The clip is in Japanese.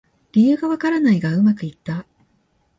理由がわからないがうまくいった